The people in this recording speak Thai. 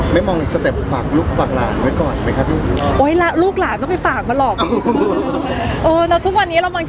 ไม่มองเสร็จสำหรับลูกหลาน